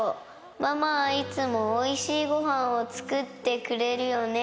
ママはいつもおいしいごはんを作ってくれるよね。